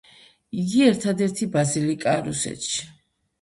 იგი ერთადერთი ბაზილიკაა რუსეთში.